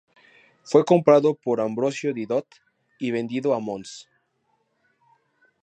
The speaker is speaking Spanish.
Fue comprado por Ambrosio Didot y vendido a Mons.